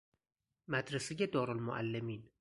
مدرسه دارالمعلمین